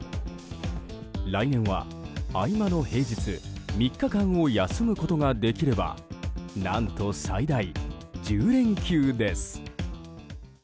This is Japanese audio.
来年は合間の平日３日間を休むことができれば何と最大１０連休です。